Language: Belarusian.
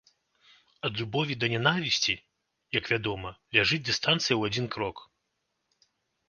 Ад любові да нянавісці, як вядома, ляжыць дыстанцыя ў адзін крок.